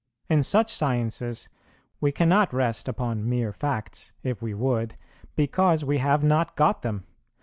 In such sciences, we cannot rest upon mere facts, if we would, because we have not got them.